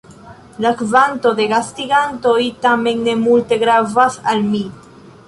La kvanto de gastigantoj tamen ne multe gravas al mi.